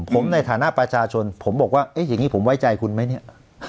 ผมในฐานะประชาชนผมบอกว่าเอ๊ะอย่างนี้ผมไว้ใจคุณไหมเนี่ย